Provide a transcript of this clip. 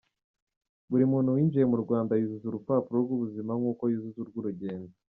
Buri muntu winjiye mu Rwanda yuzuza urupapuro rw’ubuzima nk’uko yuzuza urw’urugendo.